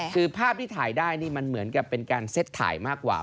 คือภาพที่ถ่ายได้นี่มันเหมือนกับเป็นการเซ็ตถ่ายมากกว่า